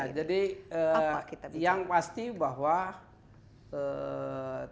kira kira pertumbuhan ekonomi yang kita bisa dapatkan dan nikmati dengan adanya digital transformation ini